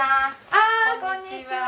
ああこんにちは。